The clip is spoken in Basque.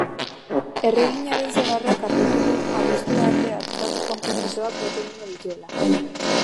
Erreginaren senarrak argitu du abuztura arte hartutako konpromisoak bete egingo dituela.